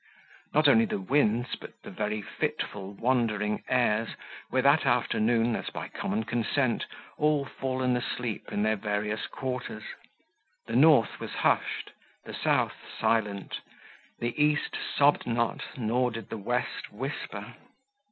Not only the winds, but the very fitful, wandering airs, were that afternoon, as by common consent, all fallen asleep in their various quarters; the north was hushed, the south silent, the east sobbed not, nor did the west whisper.